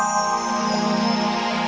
dia tahu orang kurasa